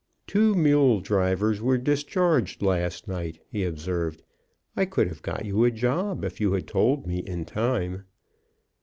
"Two mule drivers were discharged last night," he observed. "I could have got you a job if you had told me in time."